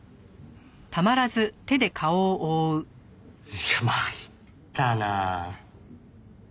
いや参ったなあ。